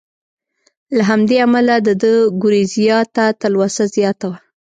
له همدې امله د ده ګورېزیا ته تلوسه زیاته وه.